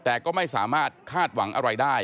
นั่นแหละสิเขายิบยกขึ้นมาไม่รู้ว่าจะแปลความหมายไว้ถึงใคร